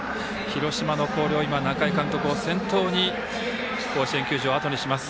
広島の広陵、中井監督を先頭に甲子園球場をあとにします。